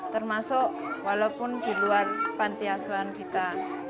termasuk walaupun di luar pantiasuan kita